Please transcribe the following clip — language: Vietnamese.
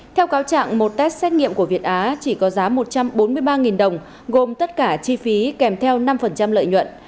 theo cáo trạng một test xét nghiệm của việt á chỉ có giá một trăm bốn mươi ba đồng gồm tất cả chi phí kèm theo năm lợi nhuận